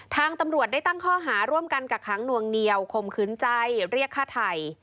ทางตำรวจได้ตั้งข้อหาร่วมกันกักขังหน่วงเหนียวข่มขืนใจเรียกฆ่าไทย